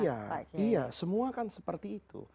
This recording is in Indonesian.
iya iya semua kan seperti itu